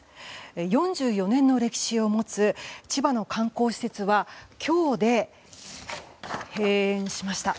４４年の歴史を持つ千葉の観光施設は今日で閉園しました。